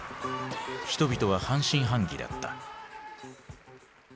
人々は半信半疑だった。